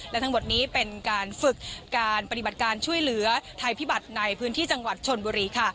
และทั้งหมดนี้เป็นการฝึกการปฏิบัติการช่วยเหลือไทยพิบัติในพื้นที่จังหวัดชนบุรีค่ะ